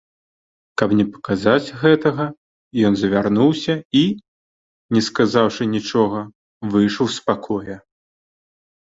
Каб не паказаць гэтага, ён завярнуўся і, не сказаўшы нічога, выйшаў з пакоя.